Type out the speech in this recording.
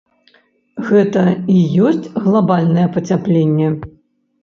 Гэта і ёсць глабальнае пацяпленне?